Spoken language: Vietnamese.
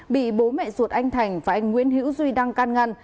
bị bố mẹ ruột anh thành và anh nguyễn hữu duy đang can ngăn